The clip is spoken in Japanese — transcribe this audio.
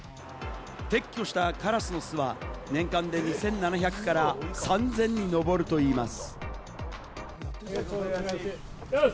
提供したカラスの巣は年間で２７００から３０００に上るといいます。